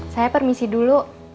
saya permisi dulu